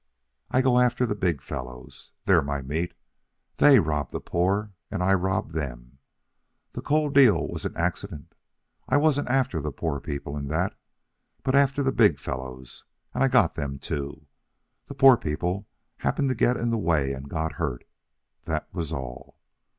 I go after the big fellows. They're my meat. They rob the poor, and I rob them. That coal deal was an accident. I wasn't after the poor people in that, but after the big fellows, and I got them, too. The poor people happened to get in the way and got hurt, that was all.